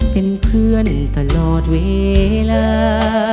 เป็นเพื่อนตลอดเวลา